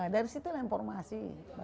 dari situ lah informasi